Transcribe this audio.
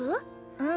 うん。